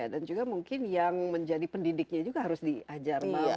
dan juga mungkin yang menjadi pendidiknya juga harus diajar